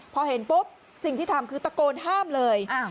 พอเห็นปุ๊บสิ่งที่ทำคือตะโกนห้ามเลย